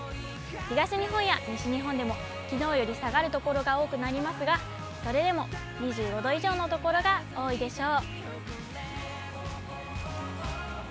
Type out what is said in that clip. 東日本や西日本でも、きのうより下がる所が多くなりますが、それでも２５度以上の所が多いでしょう。